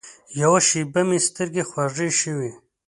یوه شېبه مې سترګې خوږې شوې وې.